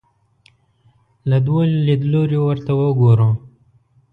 له دوو لیدلوریو ورته وګورو